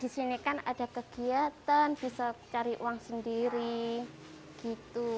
di sini kan ada kegiatan bisa cari uang sendiri gitu